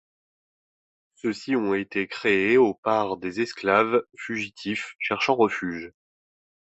Ceux-ci ont été créés au par des esclaves fugitifs cherchant refuge.